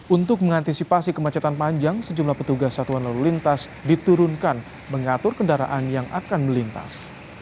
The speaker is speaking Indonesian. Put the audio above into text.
untuk mengantisipasi kemacetan panjang sejumlah petugas satuan lalu lintas diturunkan mengatur kendaraan yang akan melintas